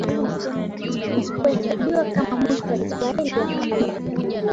huesabiwa kama mwisho wa Israeli ya Kale